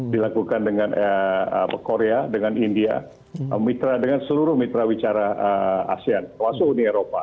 dilakukan dengan korea dengan india mitra dengan seluruh mitra bicara asean termasuk uni eropa